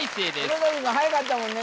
梅谷くんはやかったもんね